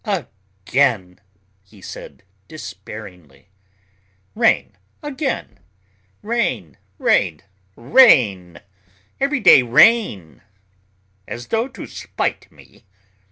"Again," he said despairingly. "Rain again. Rain, rain, rain! Every day rain! As though to spite me.